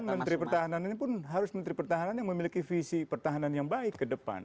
dan menteri pertahanan ini pun harus menteri pertahanan yang memiliki visi pertahanan yang baik ke depan